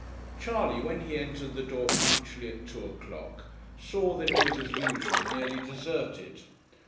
Charley, when he entered the door punctually at two o'clock, saw that it was as usual nearly deserted.